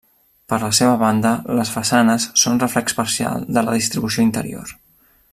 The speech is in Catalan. Per la seva banda, les façanes són reflex parcial de la distribució interior.